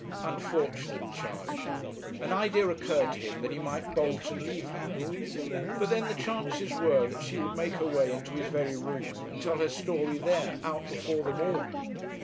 Unfortunate Charley! An idea occurred to him that he might bolt and leave her. But then the chances were that she would make her way into his very room, and tell her story there, out before them all.